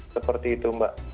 seperti itu mbak